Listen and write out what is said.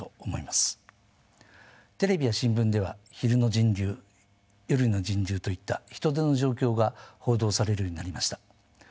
テレビや新聞では昼の人流夜の人流といった人出の状況が報道されるようになりました。